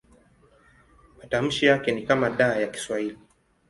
Matamshi yake ni kama D ya Kiswahili.